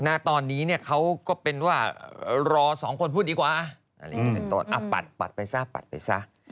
มาตอนนี้เนี่ยเค้าก็เป็นว่ารอสองคนพูดดีกว่าอ่ะปัดไปซะปัดไปซะอืม